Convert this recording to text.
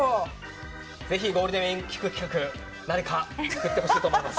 ぜひ、ゴールデンウィーク企画誰かすくってほしいと思います。